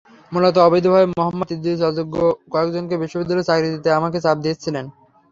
মূলত অবৈধভাবে মোহাম্মদ ইদ্রিছ অযোগ্য কয়েকজনকে বিশ্ববিদ্যালয়ে চাকরি দিতে আমাকে চাপ দিচ্ছিলেন।